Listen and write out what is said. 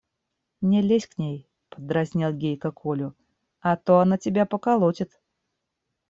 – Не лезь к ней, – поддразнил Гейка Колю, – а то она тебя поколотит.